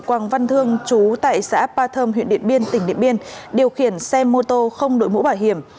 quang văn thương chú tại xã appa thơm huyện điện biên tỉnh điện biên điều khiển xe mô tô không đổi mũ bảo hiểm